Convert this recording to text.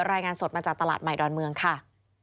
รายงานสดมาจากตลาดใหม่ดอนเมืองค่ะ